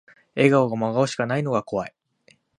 笑顔か真顔しかないのが怖い